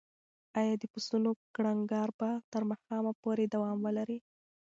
ایا د پسونو کړنګار به تر ماښامه پورې دوام ولري؟